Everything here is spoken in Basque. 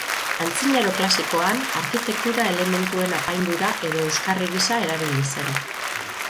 Antzinaro klasikoan, arkitektura elementuen apaindura edo euskarri gisa erabili zen.